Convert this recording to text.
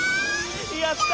やった！